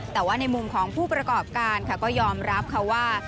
แต่ว่าในมุมของผู้ประกอบการค่ะก็ยอมรับค่ะว่า